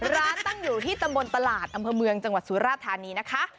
ตั้งอยู่ที่ตำบลตลาดอำเภอเมืองจังหวัดสุราธานีนะคะ